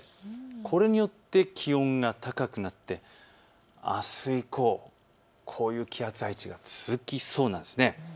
これによって気温が高くなってあす以降、こういう気圧配置が続きそうなんです。